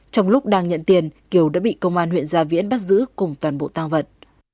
trong lúc đang nhận tiền kiều đã bị công an huyện gia viễn bắt giữ cùng toàn bộ tang vật